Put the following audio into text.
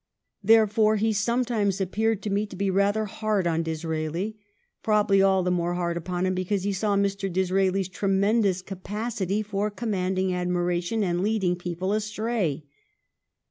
Therefore he sometimes appeared to me to be rather hard on Disraeli — probably all the more hard upon him because he saw Mr. Disraeli's tremendous capacity for commanding admiration and leading people astray.